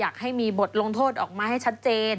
อยากให้มีบทลงโทษออกมาให้ชัดเจน